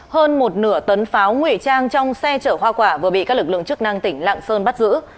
hơn một nửa tấn pháo nguy trang trong xe chở hoa quả vừa bị các lực lượng chức năng tỉnh lạng sơn bắt giữ